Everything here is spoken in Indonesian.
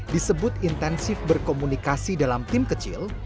disebut intensif berkomunikasi dalam tim kecil